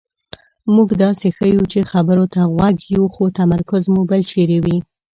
مونږ داسې ښیو چې خبرو ته غوږ یو خو تمرکز مو بل چېرې وي.